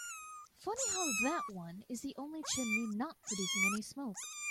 Funny how that one is the only chimney not producing any smoke.